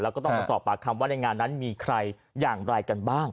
แล้วก็ต้องมาสอบปากคำว่าในงานนั้นมีใครอย่างไรกันบ้าง